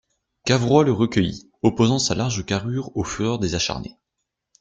Cavrois le recueillit, opposant sa large carrure aux fureurs des acharnés.